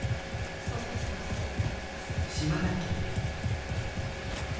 捜査に参加させて頂きます。